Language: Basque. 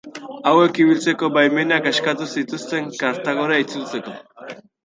Hauek ibiltzeko baimenak eskatu zituzten Kartagora itzultzeko.